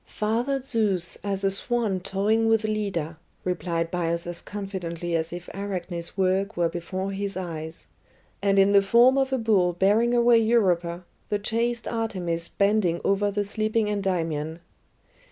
"Father Zeus as a swan toying with Leda," replied Bias as confidently as if Arachne's works were before his eyes, "and in the form of a bull bearing away Europa, the chaste Artemis bending over the sleeping Endymion."